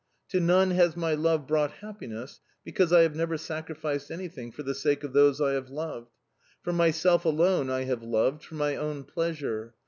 To none has my love brought happiness, because I have never sacrificed anything for the sake of those I have loved: for myself alone I have loved for my own pleasure.